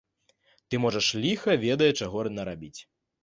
Ты можаш ліха ведае чаго нарабіць.